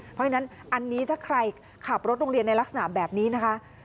เพราะฉะนั้นอันนี้ถ้าใครขับรถโรงเรียนในลักษณะแบบนี้นะคะ